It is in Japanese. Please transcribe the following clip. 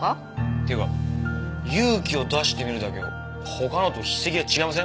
っていうか「勇気を出してみる」だけ他のと筆跡が違いません？